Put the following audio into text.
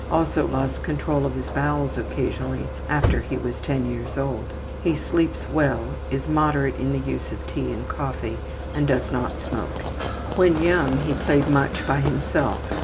Also lost control of his bowels occasionally after he was 10 years old. He sleeps well, is moderate in the use of tea and coffee, and does not smoke. When young he played much by himself.